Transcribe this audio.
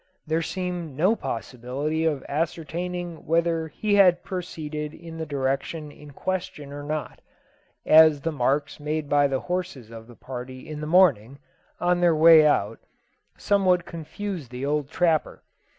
There seemed no possibility of ascertaining whether he had proceeded in the direction in question or not, as the marks made by the horses of the party in the morning, on their way out, somewhat confused the old trapper.